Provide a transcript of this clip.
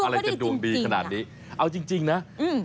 อะไรจะดวงดีขนาดนี้เอาจริงจริงนะอืม